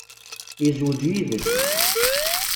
Yezweǧ yid-s.